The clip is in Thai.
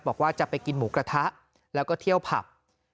บอกว่าจะไปกินหมูกระทะแล้วก็เที่ยวผับ